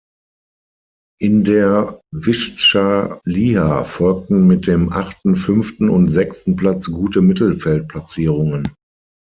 In der Wyschtscha Liha folgten mit dem achten, fünften und sechsten Platz gute Mittelfeldplatzierungen.